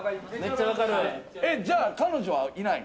じゃあ彼女はいないの？